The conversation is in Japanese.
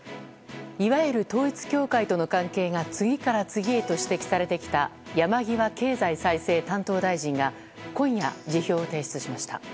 いわゆる統一教会との関係が次から次へと指摘されてきた山際経済再生担当大臣が今夜、辞表を提出しました。